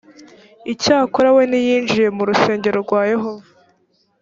icyakora we ntiyinjiye mu rusengero rwa yehova.